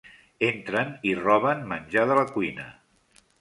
Entren i roben menjar de la cuina.